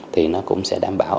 thì nó cũng sẽ đảm bảo